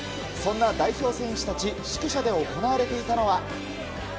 そんな代表選手たち、宿舎で行われていたのは。